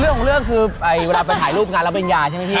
เรื่องของเรื่องคือเวลาไปถ่ายรูปงานรับเป็ญญา